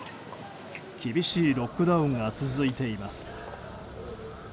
厳しいロックダウンが続いています。